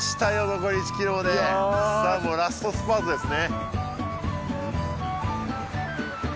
残り１ｋｍまでさあもうラストスパートですね